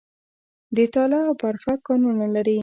د تاله او برفک کانونه لري